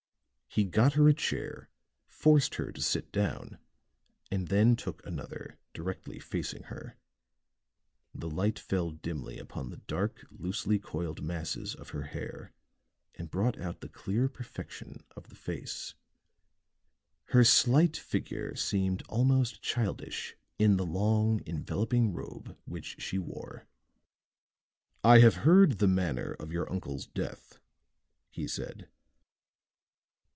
He got her a chair, forced her to sit down, and then took another, directly facing her. The light fell dimly upon the dark, loosely coiled masses of her hair and brought out the clear perfection of the face. Her slight figure seemed almost childish in the long enveloping robe which she wore. "I have heard the manner of your uncle's death," he said.